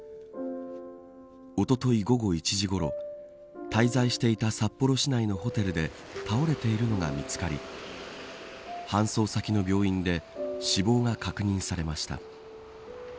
おととい、午後１時ごろ滞在していた札幌市内のホテルで倒れているのが見つかり搬送先の病院で死亡が確認されました。